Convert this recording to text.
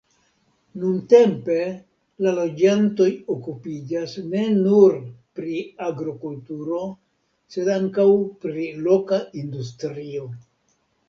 Nuntempe la loĝantoj okupiĝas ne nur pri agrokulturo, sed ankaŭ pri loka industrio.